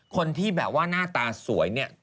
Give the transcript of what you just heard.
คนที่แบบว่าหน้าตาสวยเนี่ย